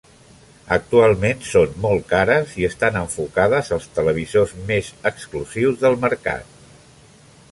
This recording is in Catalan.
Actualment són molt cares i estan enfocades als televisors més exclusius del mercat.